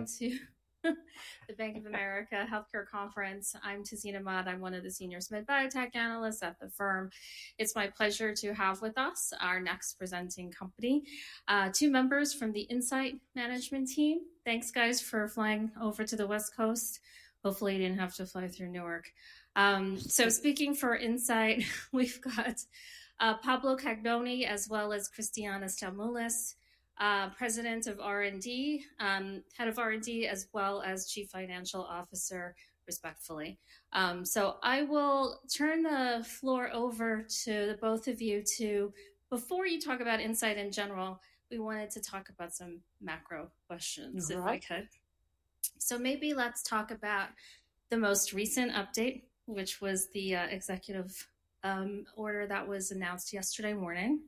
Welcome to the Bank of America Healthcare Conference. I'm Tazeen Ahmad. I'm one of the senior biotech analysts at the firm. It's my pleasure to have with us our next presenting company: two members from the Incyte management team. Thanks, guys, for flying over to the West Coast. Hopefully, you didn't have to fly through Newark. Speaking for Incyte, we've got Pablo Cagnoni, as well as Christiana Stamoulis, President of R&D, Head of R&D, as well as Chief Financial Officer, respectively. I will turn the floor over to the both of you to, before you talk about Incyte in general, we wanted to talk about some macro questions, if we could. Maybe let's talk about the most recent update, which was the executive order that was announced yesterday morning.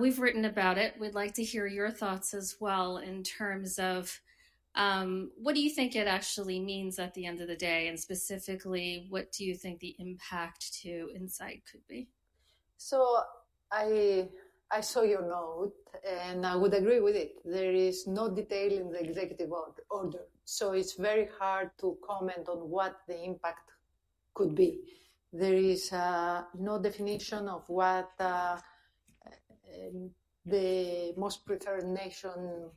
We've written about it. We'd like to hear your thoughts as well in terms of what do you think it actually means at the end of the day, and specifically, what do you think the impact to Incyte could be? I saw your note, and I would agree with it. There is no detail in the executive order, so it's very hard to comment on what the impact could be. There is no definition of what the most-favored-nation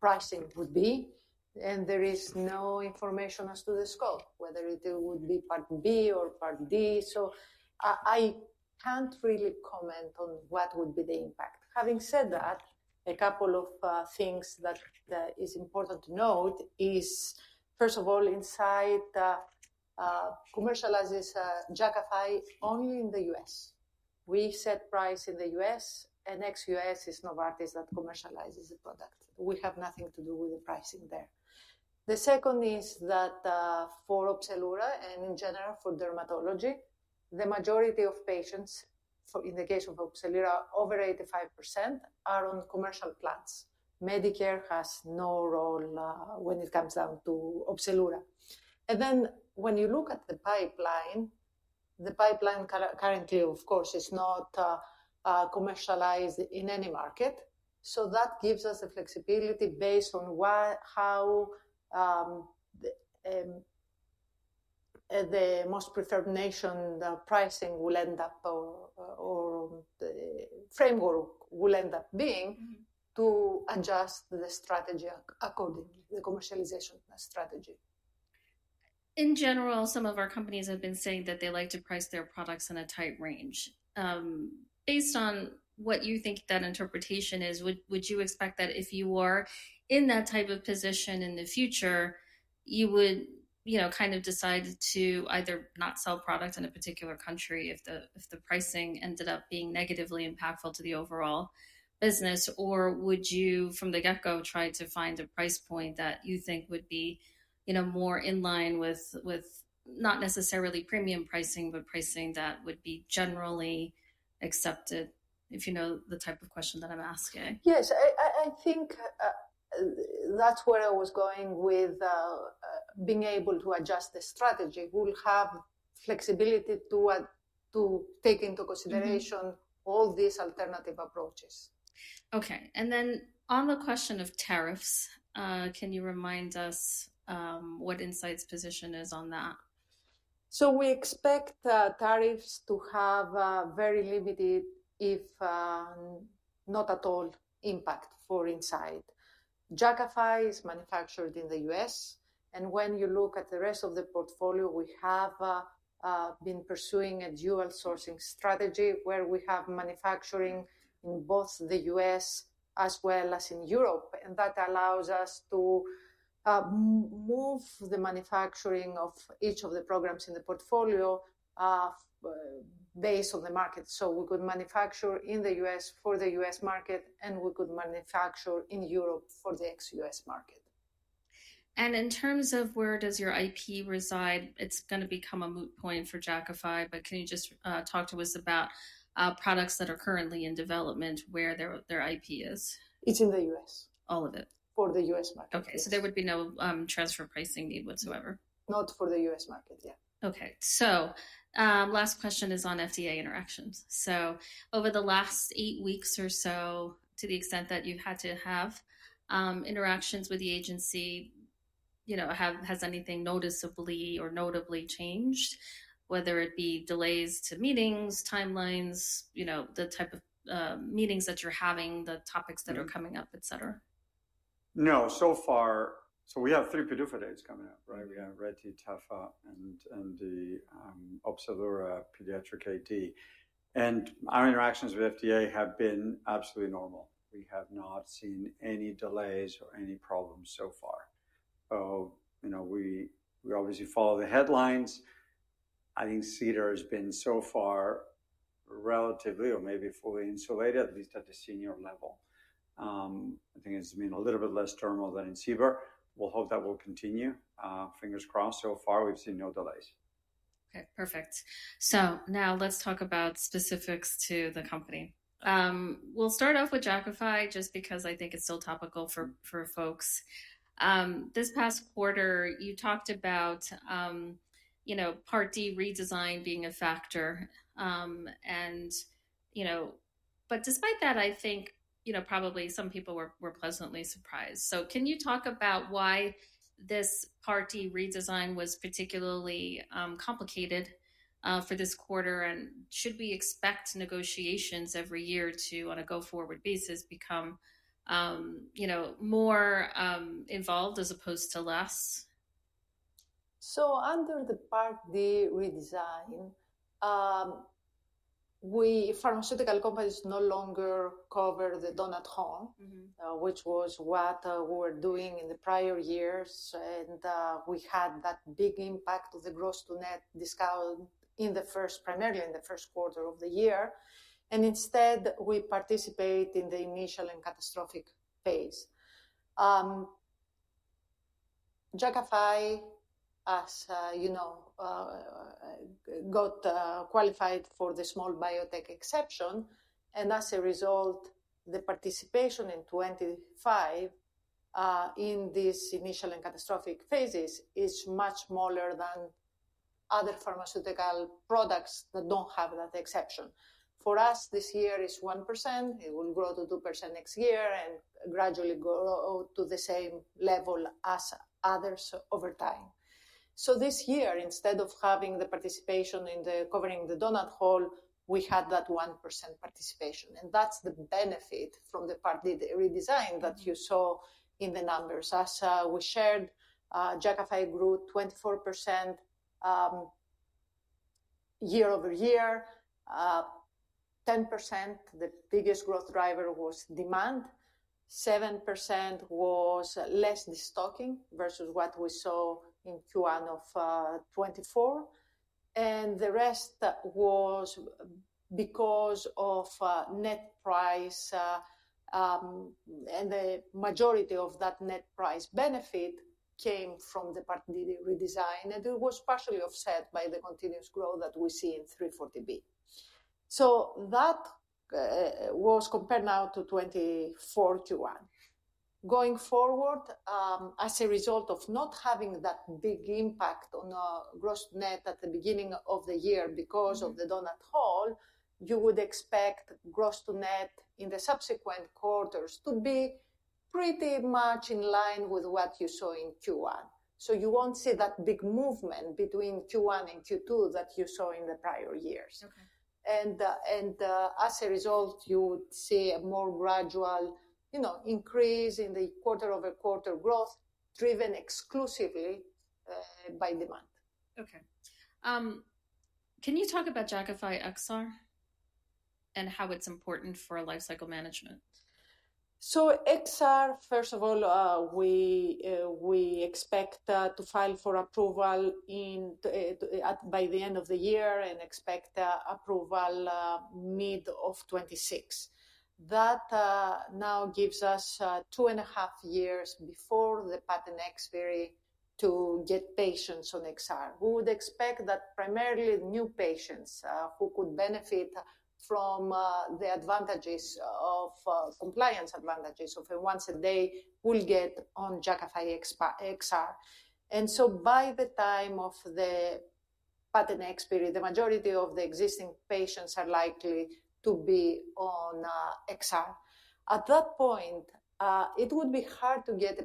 pricing would be, and there is no information as to the scope, whether it would be Part B or Part D. I can't really comment on what would be the impact. Having said that, a couple of things that are important to note are, first of all, Incyte commercializes Jakafi only in the U.S. We set price in the U.S., and ex-U.S. is Novartis that commercializes the product. We have nothing to do with the pricing there. The second is that for Opzelura and in general for dermatology, the majority of patients, in the case of Opzelura, over 85% are on commercial plans. Medicare has no role when it comes down to Opzelura. When you look at the pipeline, the pipeline currently, of course, is not commercialized in any market. That gives us the flexibility based on how the most-favored-nation pricing will end up or the framework will end up being to adjust the strategy accordingly, the commercialization strategy. In general, some of our companies have been saying that they like to price their products in a tight range. Based on what you think that interpretation is, would you expect that if you were in that type of position in the future, you would kind of decide to either not sell products in a particular country if the pricing ended up being negatively impactful to the overall business, or would you, from the get-go, try to find a price point that you think would be more in line with not necessarily premium pricing, but pricing that would be generally accepted? If you know the type of question that I'm asking. Yes, I think that's where I was going with being able to adjust the strategy. We'll have flexibility to take into consideration all these alternative approaches. Okay. On the question of tariffs, can you remind us what Incyte's position is on that? We expect tariffs to have a very limited, if not at all, impact for Incyte. Jakafi is manufactured in the U.S. When you look at the rest of the portfolio, we have been pursuing a dual sourcing strategy where we have manufacturing in both the U.S. as well as in Europe. That allows us to move the manufacturing of each of the programs in the portfolio based on the market. We could manufacture in the U.S. for the U.S. market, and we could manufacture in Europe for the ex-U.S. market. In terms of where does your IP reside, it's going to become a moot point for Jakafi, but can you just talk to us about products that are currently in development where their IP is? It's in the U.S. All of it? For the U.S. market. Okay. So there would be no transfer pricing need whatsoever? Not for the U.S. market, yeah. Okay. Last question is on FDA interactions. Over the last eight weeks or so, to the extent that you've had to have interactions with the agency, has anything noticeably or notably changed, whether it be delays to meetings, timelines, the type of meetings that you're having, the topics that are coming up, etc.? No, so far. We have three PDUFAs coming up, right? We have retifanlimab and the Opzelura pediatric AD. Our interactions with FDA have been absolutely normal. We have not seen any delays or any problems so far. We obviously follow the headlines. I think CDER has been so far relatively or maybe fully insulated, at least at the senior level. I think it has been a little bit less turmoil than in CBER. Fingers crossed. So far, we have seen no delays. Okay, perfect. Now let's talk about specifics to the company. We'll start off with Jakafi just because I think it's still topical for folks. This past quarter, you talked about Part D redesign being a factor. Despite that, I think probably some people were pleasantly surprised. Can you talk about why this Part D redesign was particularly complicated for this quarter? Should we expect negotiations every year to, on a go-forward basis, become more involved as opposed to less? Under the Part D redesign, pharmaceutical companies no longer cover the donut hole, which was what we were doing in the prior years. We had that big impact of the gross to net discount primarily in the first quarter of the year. Instead, we participate in the initial and catastrophic phase. Jakafi, as you know, got qualified for the small biotech exception. As a result, the participation in 2025 in these initial and catastrophic phases is much smaller than other pharmaceutical products that do not have that exception. For us, this year is 1%. It will grow to 2% next year and gradually grow to the same level as others over time. This year, instead of having the participation in covering the donut hole, we had that 1% participation. That is the benefit from the Part D redesign that you saw in the numbers. As we shared, Jakafi grew 24% year-over-year. 10%, the biggest growth driver was demand. 7% was less destocking versus what we saw in Q1 of 2024. The rest was because of net price. The majority of that net price benefit came from the Part D redesign. It was partially offset by the continuous growth that we see in 340B. That was compared now to Q1 2024. Going forward, as a result of not having that big impact on gross to net at the beginning of the year because of the donut hole, you would expect gross to net in the subsequent quarters to be pretty much in line with what you saw in Q1. You will not see that big movement between Q1 and Q2 that you saw in the prior years. You would see a more gradual increase in the quarter-over-quarter growth driven exclusively by demand. Okay. Can you talk about Jakafi XR and how it's important for life cycle management? XR, first of all, we expect to file for approval by the end of the year and expect approval mid of 2026. That now gives us two and a half years before the patent expiry to get patients on XR. We would expect that primarily new patients who could benefit from the advantages of compliance advantages of a once-a-day will get on Jakafi XR. By the time of the patent expiry, the majority of the existing patients are likely to be on XR. At that point, it would be hard to get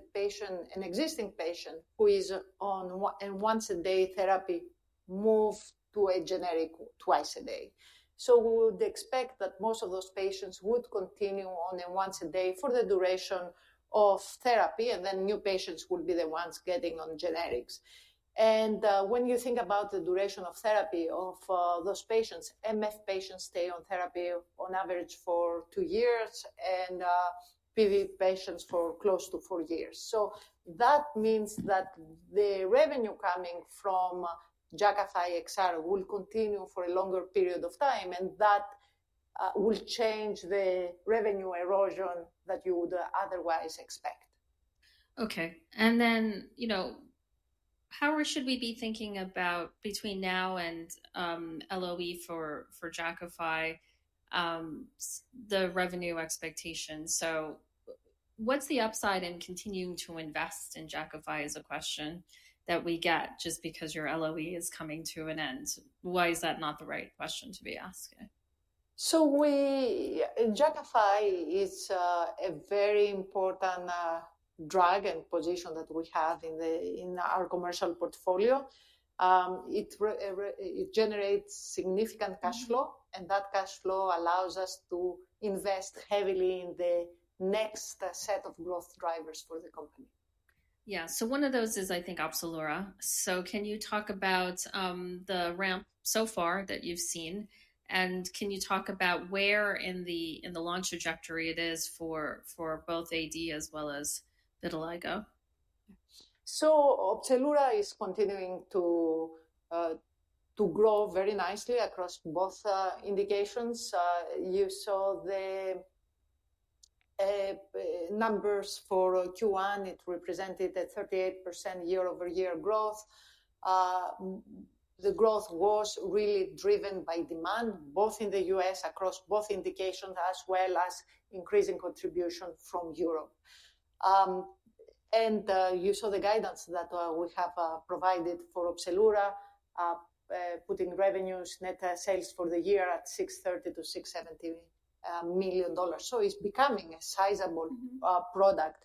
an existing patient who is on a once-a-day therapy to move to a generic twice a day. We would expect that most of those patients would continue on a once-a-day for the duration of therapy, and then new patients would be the ones getting on generics. When you think about the duration of therapy of those patients, MF patients stay on therapy on average for two years, and PV patients for close to four years. That means that the revenue coming from Jakafi XR will continue for a longer period of time, and that will change the revenue erosion that you would otherwise expect. Okay. How should we be thinking about between now and LOE for Jakafi, the revenue expectations? What is the upside in continuing to invest in Jakafi is a question that we get just because your LOE is coming to an end. Why is that not the right question to be asking? Jakafi is a very important drug and position that we have in our commercial portfolio. It generates significant cash flow, and that cash flow allows us to invest heavily in the next set of growth drivers for the company. Yeah. So one of those is, I think, Opzelura. Can you talk about the ramp so far that you've seen? Can you talk about where in the launch trajectory it is for both AD as well as vitiligo? Opzelura is continuing to grow very nicely across both indications. You saw the numbers for Q1. It represented a 38% year-over-year growth. The growth was really driven by demand, both in the U.S., across both indications, as well as increasing contribution from Europe. You saw the guidance that we have provided for Opzelura, putting revenues, net sales for the year at $630 million-$670 million. It is becoming a sizable product.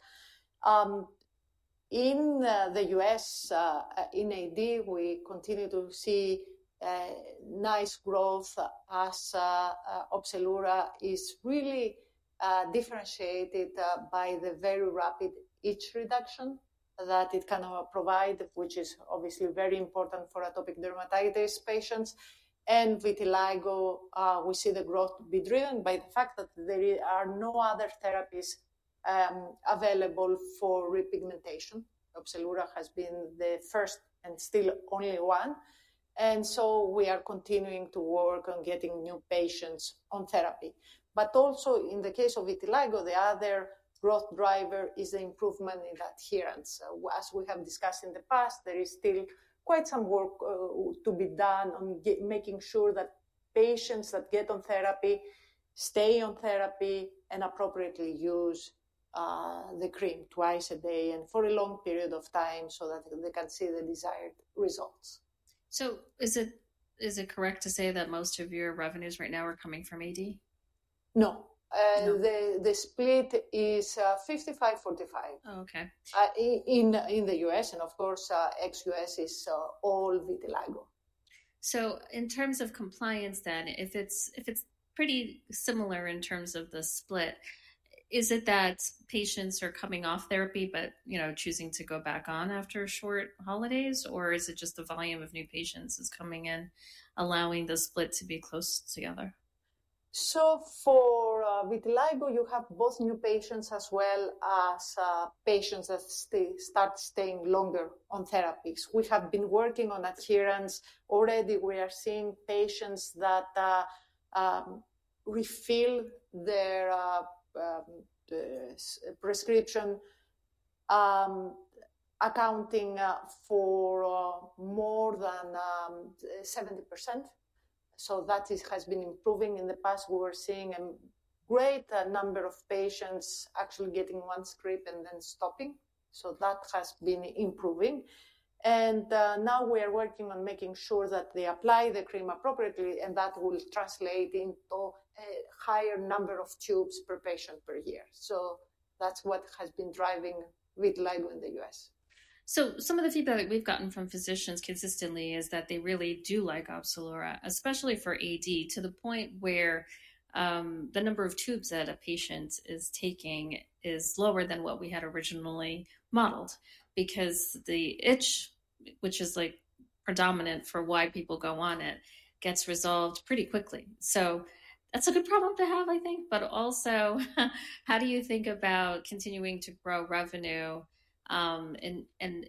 In the U.S., in AD, we continue to see nice growth as Opzelura is really differentiated by the very rapid itch reduction that it can provide, which is obviously very important for atopic dermatitis patients. In vitiligo, we see the growth be driven by the fact that there are no other therapies available for repigmentation. Opzelura has been the first and still only one. We are continuing to work on getting new patients on therapy. Also in the case of vitiligo, the other growth driver is the improvement in adherence. As we have discussed in the past, there is still quite some work to be done on making sure that patients that get on therapy stay on therapy and appropriately use the cream twice a day and for a long period of time so that they can see the desired results. Is it correct to say that most of your revenues right now are coming from AD? No. The split is 55/45 in the U.S. And of course, ex-U.S. is all vitiligo. In terms of compliance, then, if it is pretty similar in terms of the split, is it that patients are coming off therapy but choosing to go back on after short holidays, or is it just the volume of new patients is coming in, allowing the split to be close together? For Vitiligo, you have both new patients as well as patients that start staying longer on therapies. We have been working on adherence. Already, we are seeing patients that refill their prescription, accounting for more than 70%. That has been improving. In the past, we were seeing a great number of patients actually getting one script and then stopping. That has been improving. Now we are working on making sure that they apply the cream appropriately, and that will translate into a higher number of tubes per patient per year. That is what has been driving Vitiligo in the U.S. Some of the feedback we've gotten from physicians consistently is that they really do like Opzelura, especially for AD, to the point where the number of tubes that a patient is taking is lower than what we had originally modeled because the itch, which is predominant for why people go on it, gets resolved pretty quickly. That's a good problem to have, I think. Also, how do you think about continuing to grow revenue?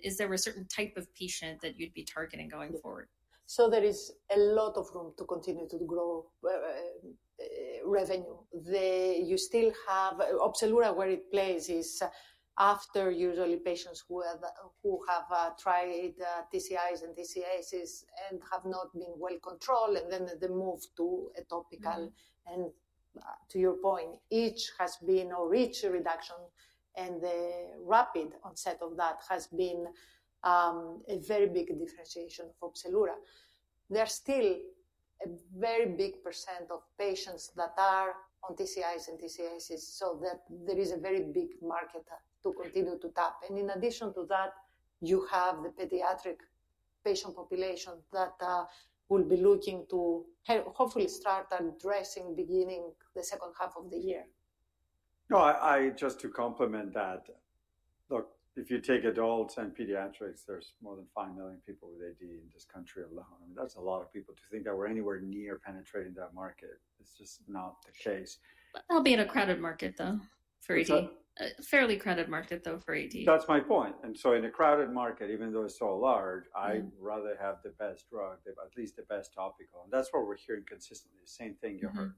Is there a certain type of patient that you'd be targeting going forward? There is a lot of room to continue to grow revenue. Opzelura, where it plays, is after usually patients who have tried TCIs and TCAs and have not been well controlled, and then they move to a topical. To your point, itch has been a rich reduction, and the rapid onset of that has been a very big differentiation of Opzelura. There is still a very big percentage of patients that are on TCIs and TCAs, so there is a very big market to continue to tap. In addition to that, you have the pediatric patient population that will be looking to hopefully start addressing beginning the second half of the year. No, just to complement that, look, if you take adults and pediatrics, there's more than five million people with AD in this country alone. That's a lot of people to think that we're anywhere near penetrating that market. It's just not the case. That'll be in a crowded market, though, for AD. Fairly crowded market, though, for AD. That's my point. In a crowded market, even though it's so large, I'd rather have the best drug, at least the best topical. That's what we're hearing consistently. Same thing you heard.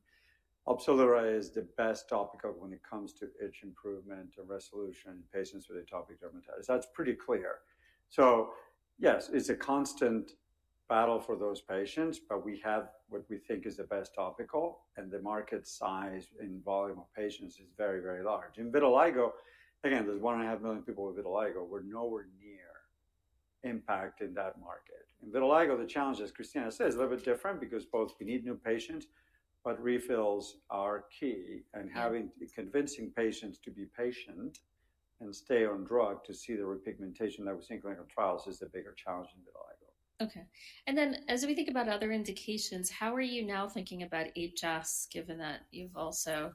Opzelura is the best topical when it comes to itch improvement and resolution in patients with atopic dermatitis. That's pretty clear. Yes, it's a constant battle for those patients, but we have what we think is the best topical, and the market size and volume of patients is very, very large. In vitiligo, again, there's 1.5 million people with vitiligo. We're nowhere near impact in that market. In vitiligo, the challenge, as Christiana says, is a little bit different because both we need new patients, but refills are key. Having convincing patients to be patient and stay on drug to see the repigmentation that we're seeing in clinical trials is the bigger challenge in vitiligo. Okay. As we think about other indications, how are you now thinking about HS, given that you've also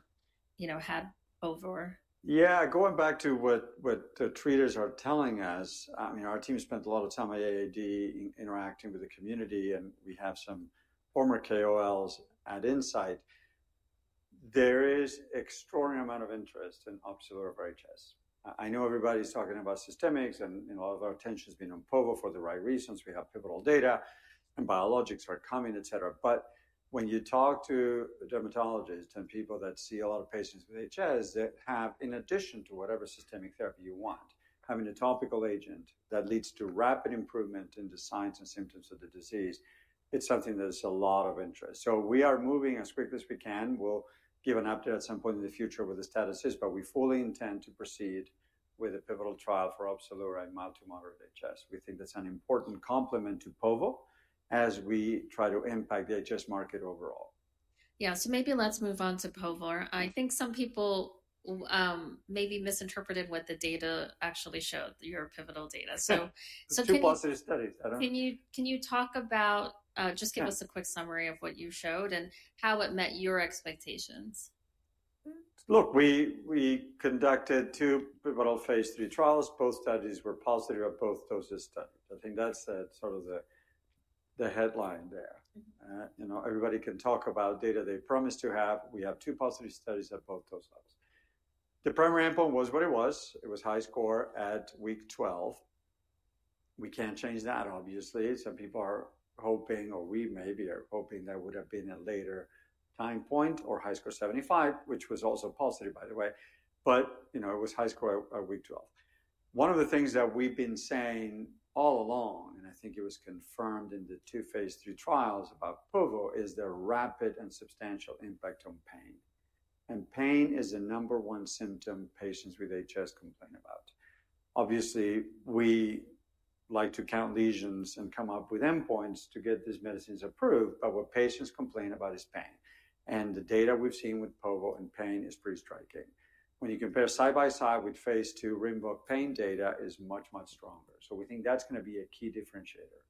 had over? Yeah, going back to what the treaters are telling us, our team spent a lot of time at AAD interacting with the community, and we have some former KOLs at Incyte. There is an extraordinary amount of interest in Opzelura for HS. I know everybody's talking about systemics, and a lot of our attention has been on povorcitinib for the right reasons. We have pivotal data, and biologics are coming, etc. When you talk to dermatologists and people that see a lot of patients with HS that have, in addition to whatever systemic therapy you want, having a topical agent that leads to rapid improvement in the signs and symptoms of the disease, it's something that has a lot of interest. We are moving as quickly as we can. We'll give an update at some point in the future with the statuses, but we fully intend to proceed with a pivotal trial for Opzelura in mild to moderate HS. We think that's an important complement to povorcitinib as we try to impact the HS market overall. Yeah. Maybe let's move on to POVA. I think some people maybe misinterpreted what the data actually showed, your pivotal data. It's a positive study. I don't know. Can you talk about, just give us a quick summary of what you showed and how it met your expectations? Look, we conducted two pivotal phase III trials. Both studies were positive at both doses done. I think that's sort of the headline there. Everybody can talk about data they promised to have. We have two positive studies at both doses. The primary endpoint was what it was. It was HiSCR at week 12. We can't change that, obviously. Some people are hoping, or we maybe are hoping that would have been a later time point or HiSCR 75, which was also positive, by the way. It was HiSCR at week 12. One of the things that we've been saying all along, and I think it was confirmed in the two phase III trials about POVA, is the rapid and substantial impact on pain. Pain is the number one symptom patients with HS complain about. Obviously, we like to count lesions and come up with endpoints to get these medicines approved, but what patients complain about is pain. The data we've seen with POVA and pain is pretty striking. When you compare side by side with phase II Rinvoq pain data, it is much, much stronger. We think that's going to be a key differentiator.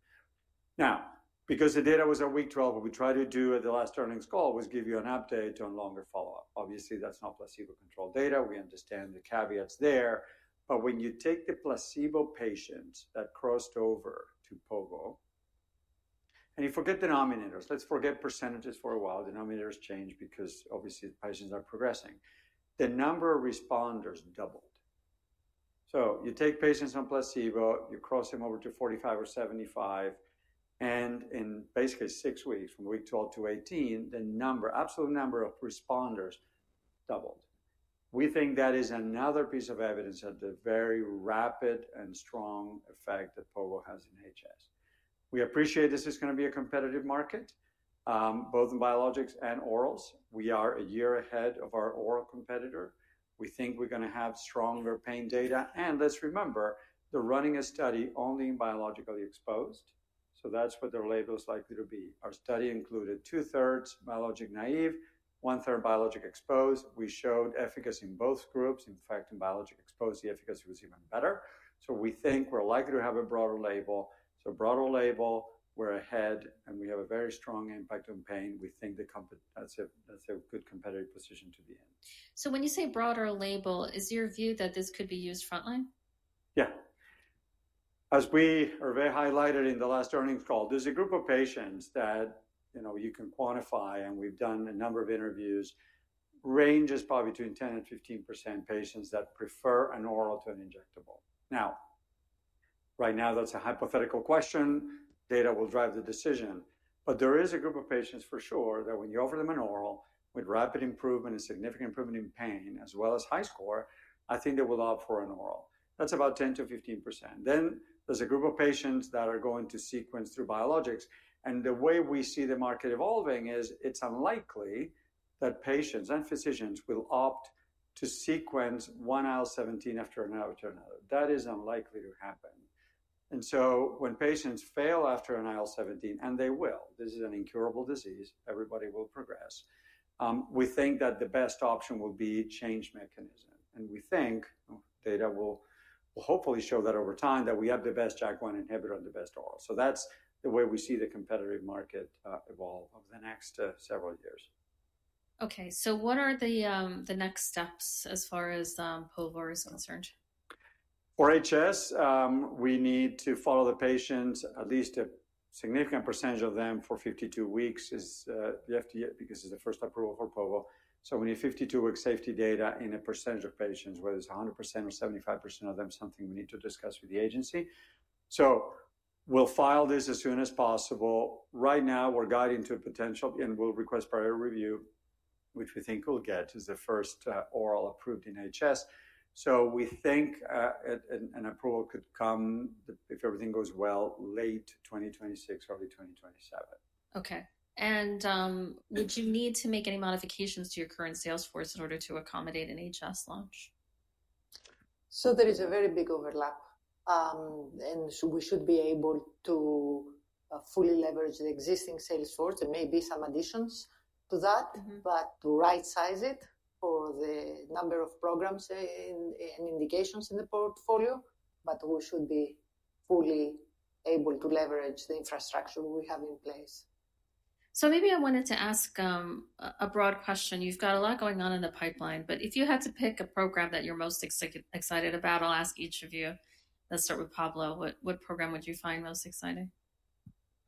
Now, because the data was at week 12, what we tried to do at the last earnings call was give you an update on longer follow-up. Obviously, that's not placebo-controlled data. We understand the caveats there. When you take the placebo patients that crossed over to POVA, and you forget denominators, let's forget percentages for a while. Denominators change because patients are progressing. The number of responders doubled. You take patients on placebo, you cross them over to 45 or 75, and in basically six weeks, from week 12 to 18, the number, absolute number of responders doubled. We think that is another piece of evidence of the very rapid and strong effect that POVA has in HS. We appreciate this is going to be a competitive market, both in biologics and orals. We are a year ahead of our oral competitor. We think we're going to have stronger pain data. Let's remember, they're running a study only in biologic exposed. So that's what their label is likely to be. Our study included two-thirds biologic naive, one-third biologic exposed. We showed efficacy in both groups. In fact, in biologic exposed, the efficacy was even better. We think we're likely to have a broader label. Broader label, we're ahead, and we have a very strong impact on pain. We think that's a good competitive position to be in. When you say broader label, is your view that this could be used frontline? Yeah. As we very highlighted in the last earnings call, there's a group of patients that you can quantify, and we've done a number of interviews. Range is probably between 10%-15% patients that prefer an oral to an injectable. Now, right now, that's a hypothetical question. Data will drive the decision. There is a group of patients for sure that when you offer them an oral with rapid improvement and significant improvement in pain, as well as high score, I think they will opt for an oral. That's about 10%-15%. There is a group of patients that are going to sequence through biologics. The way we see the market evolving is it's unlikely that patients and physicians will opt to sequence one IL-17 after another to another. That is unlikely to happen. When patients fail after an IL-17, and they will, this is an incurable disease, everybody will progress. We think that the best option will be change mechanism. We think data will hopefully show that over time that we have the best JAK1 inhibitor and the best oral. That is the way we see the competitive market evolve over the next several years. Okay. What are the next steps as far as POVA is concerned? For HS, we need to follow the patients, at least a significant percentage of them for 52 weeks because it's the first approval for POVA. We need 52-week safety data in a percentage of patients, whether it's 100% or 75% of them, something we need to discuss with the agency. We'll file this as soon as possible. Right now, we're guiding to a potential, and we'll request prior review, which we think we'll get as the first oral approved in HS. We think an approval could come if everything goes well late 2026, early 2027. Okay. Would you need to make any modifications to your current Salesforce in order to accommodate an HS launch? There is a very big overlap. We should be able to fully leverage the existing Salesforce. There may be some additions to that, to right-size it for the number of programs and indications in the portfolio. We should be fully able to leverage the infrastructure we have in place. Maybe I wanted to ask a broad question. You've got a lot going on in the pipeline, but if you had to pick a program that you're most excited about, I'll ask each of you. Let's start with Pablo. What program would you find most exciting?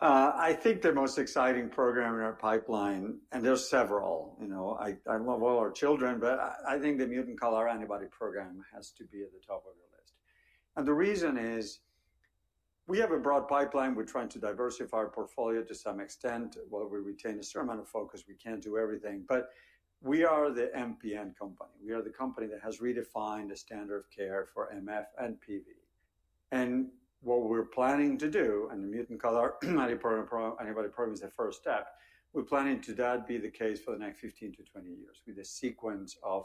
I think the most exciting program in our pipeline, and there's several. I love all our children, but I think the mutant CALR antibody program has to be at the top of your list. The reason is we have a broad pipeline. We're trying to diversify our portfolio to some extent. While we retain a certain amount of focus, we can't do everything. We are the MPN company. We are the company that has redefined the standard of care for MF and PV. What we're planning to do, and the mutant CALR antibody program is the first step, we're planning to that be the case for the next 15-20 years with a sequence of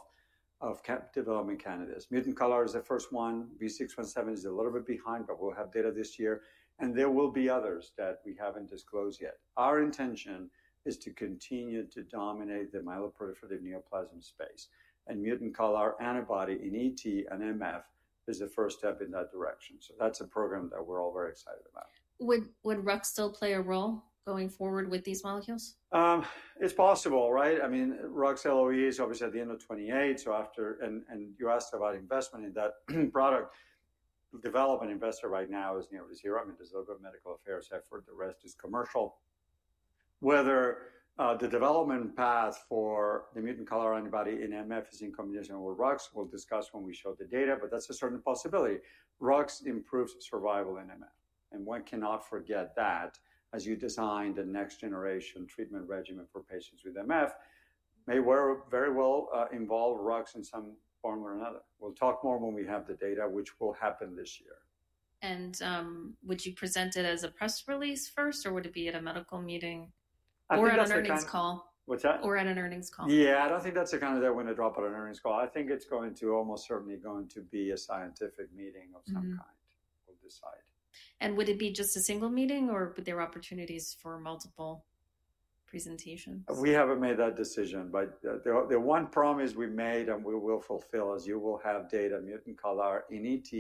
development candidates. Mutant CALR is the first one. V617 is a little bit behind, but we'll have data this year. There will be others that we haven't disclosed yet. Our intention is to continue to dominate the myeloproliferative neoplasm space. Mutant CALR antibody in ET and MF is the first step in that direction. That is a program that we are all very excited about. Would Rux still play a role going forward with these molecules? It's possible, right? I mean, Rux LOE is obviously at the end of 2028. You asked about investment in that product. Development investment right now is nearly zero. I mean, there's a little bit of medical affairs effort. The rest is commercial. Whether the development path for the mutant CALR antibody in MF is in combination with Rux, we'll discuss when we show the data, but that's a certain possibility. Rux improves survival in MF. One cannot forget that as you design the next generation treatment regimen for patients with MF, it may very well involve Rux in some form or another. We'll talk more when we have the data, which will happen this year. Would you present it as a press release first, or would it be at a medical meeting or at an earnings call? What's that? Or at an earnings call? Yeah, I don't think that's the kind of thing I'm going to drop at an earnings call. I think it's going to almost certainly be a scientific meeting of some kind. We'll decide. Would it be just a single meeting, or would there be opportunities for multiple presentations? We haven't made that decision. The one promise we made, and we will fulfill, is you will have data mCALR in ET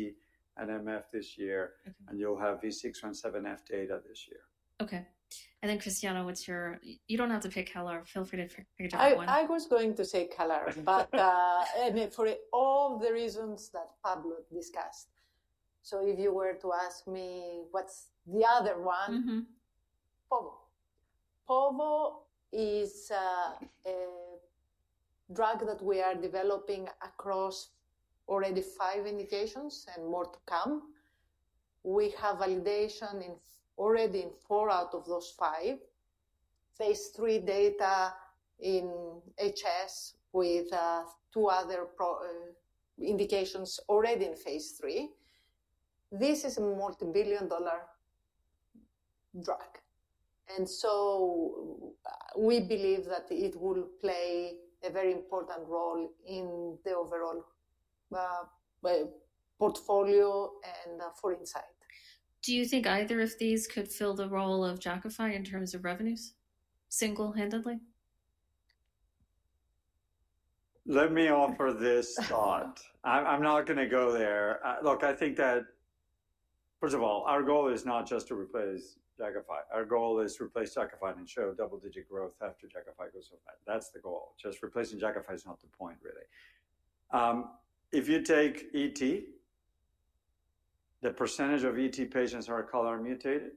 and MF this year, and you'll have V617F data this year. Okay. And then, Christiana, what's your—you do not have to pick CALR. Feel free to pick a different one. I was going to say CALR, but for all the reasons that Pablo discussed. If you were to ask me what's the other one, POVA. POVA is a drug that we are developing across already five indications and more to come. We have validation already in four out of those five. Phase III data in HS with two other indications already in phase III. This is a multi-billion dollar drug. We believe that it will play a very important role in the overall portfolio and for Incyte. Do you think either of these could fill the role of Jakafi in terms of revenues single-handedly? Let me offer this thought. I'm not going to go there. Look, I think that, first of all, our goal is not just to replace Jakafi. Our goal is to replace Jakafi and show double-digit growth after Jakafi goes over. That's the goal. Just replacing Jakafi is not the point, really. If you take ET, the percentage of ET patients who are CALR mutated,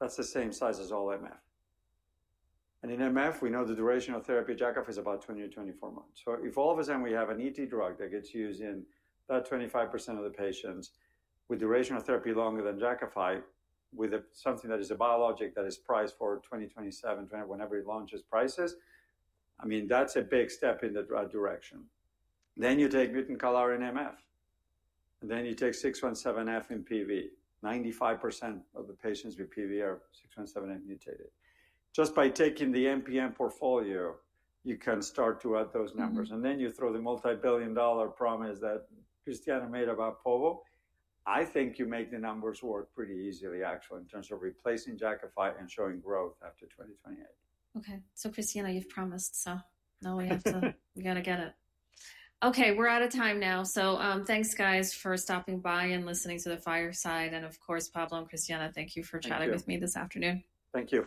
that's the same size as all MF. And in MF, we know the duration of therapy at Jakafi is about 20-24 months. If all of a sudden we have an ET drug that gets used in about 25% of the patients with duration of therapy longer than Jakafi with something that is a biologic that is priced for 2027, whenever it launches prices, I mean, that's a big step in the right direction. You take mutant CALR in MF. You take 617F in PV. 95% of the patients with PV are 617F mutated. Just by taking the MPN portfolio, you can start to add those numbers. You throw the multi-billion dollar promise that Christiana made about POVA. I think you make the numbers work pretty easily, actually, in terms of replacing Jakafi and showing growth after 2028. Okay. Christiana, you've promised, so now we have to—we got to get it. We're out of time now. Thanks, guys, for stopping by and listening to the fireside. Pablo and Christiana, thank you for chatting with me this afternoon. Thank you.